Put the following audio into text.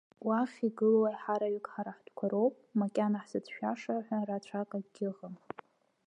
Уахь игылоу аиҳараҩык ҳара ҳтәқәа роуп, макьана ҳзыцәшәаша ҳәа рацәак акгьы ыҟам.